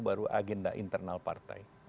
baru agenda internal partai